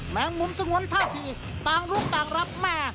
แมงมุมสงวนท่าทีต่างลูกต่างรับแม่